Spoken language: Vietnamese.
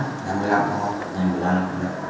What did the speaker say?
sử dụng đất của ubnd thắng